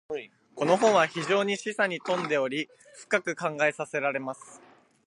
•この本は非常に示唆に富んでおり、深く考えさせられます。